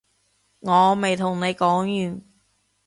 我未同你講完